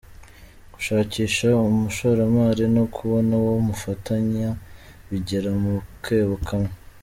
Gushakisha umushoramari no kubona uwo mufatanya bigere mu kebo kamwe.